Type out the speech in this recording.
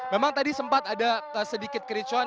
memang tadi sempat ada sedikit kericuan